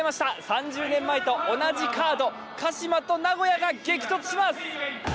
３０年前と同じカード、鹿島と名古屋が激突します。